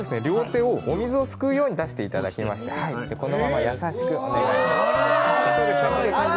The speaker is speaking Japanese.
両手をお水をすくうように出していただきまして、このまま優しく。